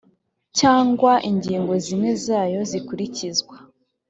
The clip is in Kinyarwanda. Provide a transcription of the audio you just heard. cyangwa ingingo zimwe zayo zikurikizwa